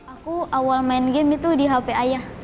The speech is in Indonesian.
aku awal main game itu di hp ayah